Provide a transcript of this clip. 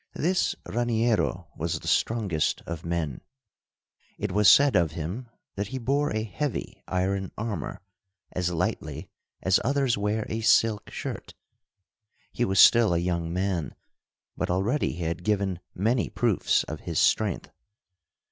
This Raniero was the strongest of men. It was said of him that he bore a heavy iron armor as lightly as others wear a silk shirt. He was still a young man, but already he had given many proofs of his strength.